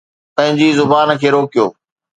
پنهنجي زبان کي روڪيو